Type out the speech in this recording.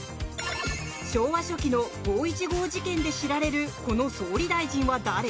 昭和初期の五・一五事件で知られるこの総理大臣は誰？